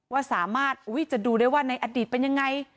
ว่าสามารถจะดูได้ว่าในอดีตเป็นยังไง